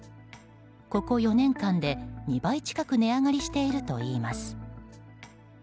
ここ４年間で２倍近く値上がりしているといいます。